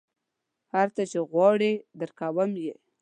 هر څه چې غواړې درکوم یې.